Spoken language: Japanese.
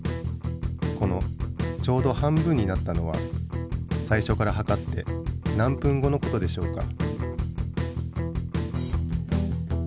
このちょうど半分になったのは最初から計って何分後の事でしょうか？